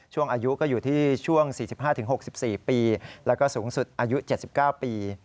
ช่วงอายุก็อยู่ที่ช่วง๔๕๖๔ปีแล้วก็สูงสุดอายุ๗๙ปี